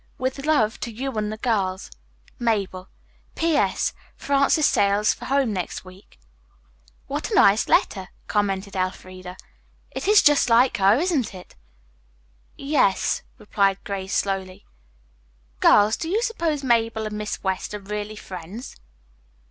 With love to you and the girls. "MABEL. "P. S. Frances sails for home next week." "What a nice letter," commented Elfreda. "It is just like her, isn't it!" "Yes," replied Grace slowly. "Girls, do you suppose Mabel and Miss West are really friends?"